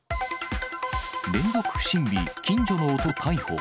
連続不審火、近所の男逮捕。